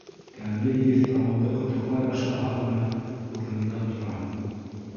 Тәмле еҫ танауҙы ҡытыҡлай башлаһа ғына урынымдан торам.